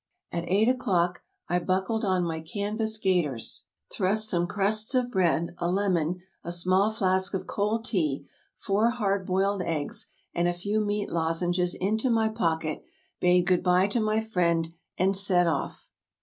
At eight o'clock I buckled on my canvas gaiters, thrust some crusts of bread, a lemon, a small flask of cold tea, four hard boiled eggs, and a few meat lozenges into my pocket, bade good by to my friend, and set off.